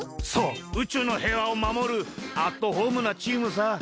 そう宇宙のへいわをまもるアットホームなチームさ。